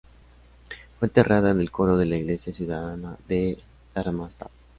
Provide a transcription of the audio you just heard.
Fue enterrada en el coro de la iglesia ciudadana de Darmstadt.